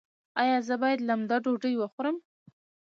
ایا زه باید لمده ډوډۍ وخورم؟